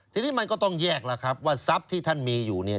ทีนี้มันก็ต้องแยกแล้วครับว่าทรัพย์ที่ท่านมีอยู่เนี่ย